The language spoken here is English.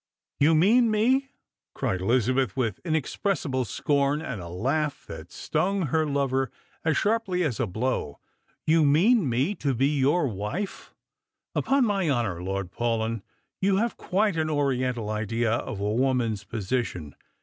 '* You mean me," cried Elizabeth, with inexpressible scorn, and a laugh that stung her lover as sharply as a blow —" you 7nean me to be your wife ! Upon my honour, Lord Paulyn, you have quite an oriental idea of a woman's position.